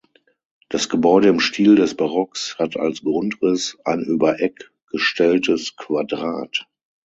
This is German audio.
Das Gebäude im Stil des Barocks hat als Grundriss ein über Eck gestelltes Quadrat.